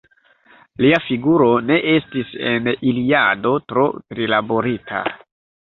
Lia figuro ne estis en Iliado tro prilaborita.